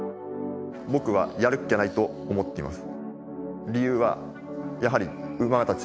僕は「やるっきゃない」と思っています